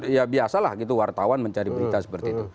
ya biasalah gitu wartawan mencari berita seperti itu